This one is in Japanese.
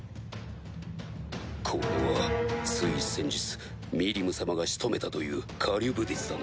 これはつい先日ミリム様が仕留めたというカリュブディスだな。